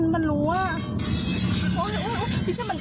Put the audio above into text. มันรู้อะ